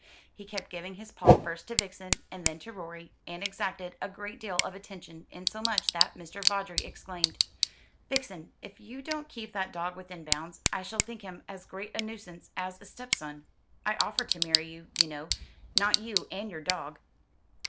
He kept giving his paw first to Vixen and then to Rorie, and exacted a great deal of attention, insomuch that Mr. Vawdrey exclaimed: "Vixen, if you don't keep that dog within bounds, I shall think him as great a nuisance as a stepson. I offered to marry you, you know, not you and your dog."